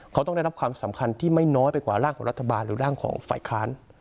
เขาต้องได้รับความสำคัญที่ไม่น้อยไปกว่าร่างของรัฐบาลหรือร่างของฝ่ายค้าน